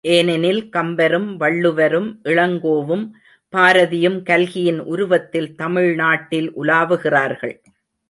ஏனெனில் கம்பரும், வள்ளுவரும், இளங்கோவும், பாரதியும், கல்கியின் உருவத்தில் தமிழ்நாட்டில் உலாவுகிறார்கள்.